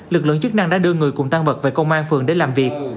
lực lượng chức năng đã đưa người cùng tăng mật về công an phường để làm việc